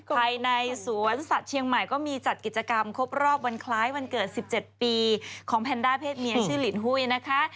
ภายในสวนสัตว์เชียงใหม่ก็มีจัดกิจกรรมครบรอบวันคล้ายวันเกิด๑๗ปีของแพนด้าเพศเมียชื่อลินหุ้ยนะคะ